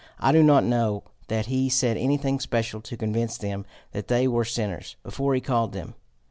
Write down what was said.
I do not know that he said anything special to convince them that they were sinners before he called them.